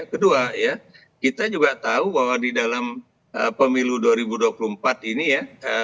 kedua ya kita juga tahu bahwa di dalam pemilu dua ribu dua puluh empat ini ya